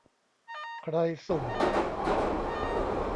ใครสุ่ม